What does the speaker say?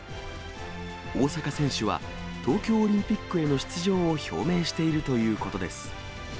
大坂選手は、東京オリンピックへの出場を表明しているということです。